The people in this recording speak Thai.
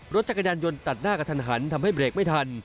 รถจักรยานยนต์ตัดหน้ากระทันหันทำให้เบรกไม่ทัน